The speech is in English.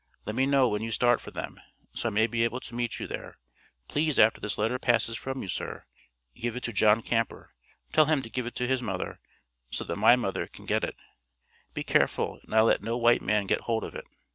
Let me know when you start for them so I may be able to meet you there, please after this letter passes from you sir, give it to John Camper tell him to give it to his Mother, so that my Mother can get it, be careful and not let no white man get hold of it.